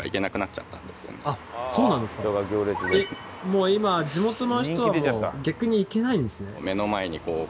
もう今地元の人は逆に行けないんですね。